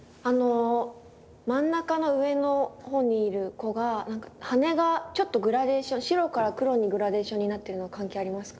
真ん中の上のほうにいる子が羽がちょっとグラデーション白から黒にグラデーションになってるのは関係ありますか？